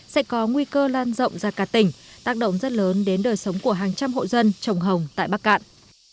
sẽ có nguy cơ lan rộng ra cả tỉnh tác động rất lớn đến đời sống của hàng trăm hộ dân trồng hồng tại bắc cạn